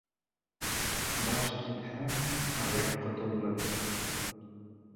Баш китһә, аяҡ ҡотолмаҫ.